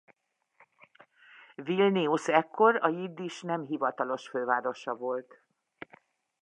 Vilnius ekkor a jiddis nem hivatalos fővárosa volt.